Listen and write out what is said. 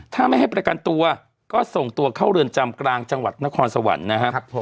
ถ้าไม่ให้ประกันตัวก็ส่งตัวเข้าเรือนจำกลางจังหวัดนครสวรรค์นะครับ